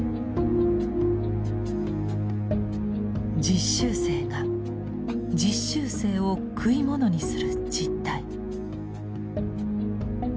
実習生が実習生を食い物にする実態。